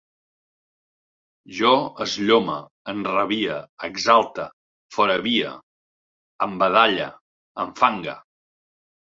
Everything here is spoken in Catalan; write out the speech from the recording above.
Jo esllome, enrabie, exalte, foravie, embadalle, enfangue